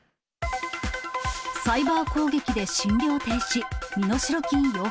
サイバー攻撃で診療停止。